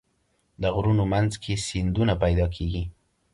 د غرونو منځ کې سیندونه پیدا کېږي.